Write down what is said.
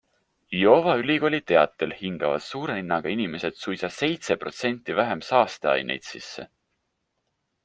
Iowa ülikooli teatel hingavad suure ninaga inimesed suisa seitse protsenti vähem saasteaineid sisse.